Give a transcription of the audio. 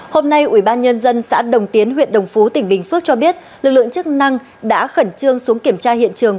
hôm nay ủy ban nhân dân xã đồng tiến huyện đồng phú tỉnh bình phước cho biết lực lượng chức năng đã khẩn trương xuống kiểm tra hiện trường